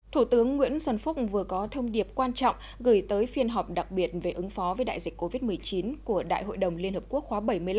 thủ tướng nguyễn xuân phúc vừa có thông điệp quan trọng gửi tới phiên họp đặc biệt về ứng phó với đại dịch covid một mươi chín của đại hội đồng liên hợp quốc khóa bảy mươi năm